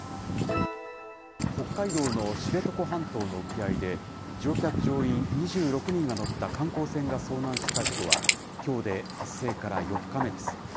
北海道の知床半島の沖合で、乗客・乗員２６人が乗った観光船が遭難した事故は、きょうで発生から４日目です。